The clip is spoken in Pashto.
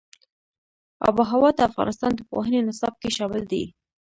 آب وهوا د افغانستان د پوهنې نصاب کې شامل دي.